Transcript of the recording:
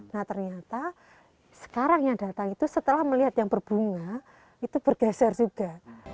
nah ternyata sekarang yang datang itu setelah melihat yang berbunga itu bergeser juga